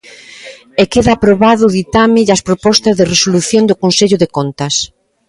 E queda aprobado o ditame e as propostas de resolución do Consello de Contas.